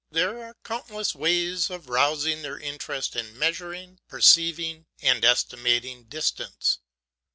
There are countless ways of rousing their interest in measuring, perceiving, and estimating distance.